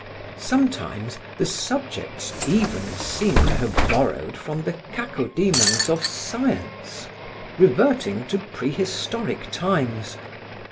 Sometimes the subjects even seemed to have borrowed from the cacodemons of science, reverting to prehistoric times.